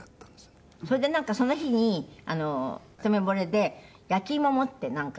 黒柳：それで、なんかその日に、ひと目ぼれで焼き芋持って、なんか。